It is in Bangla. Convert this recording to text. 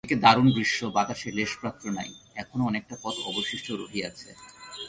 এদিকে দারুণ গ্রীষ্ম, বাতাসের লেশমাত্র নাই, এখনও অনেকটা পথ অবশিষ্ট রহিয়াছে।